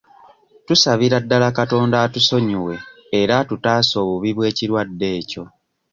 Tusabira ddala Katonda atusonyiwe era atutaase obubi bw'ekirwadde ekyo.